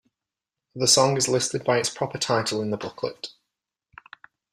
The song is listed by its proper title in the booklet.